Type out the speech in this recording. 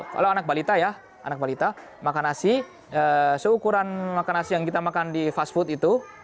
kalau anak balita ya anak balita makan nasi seukuran makan nasi yang kita makan di fast food itu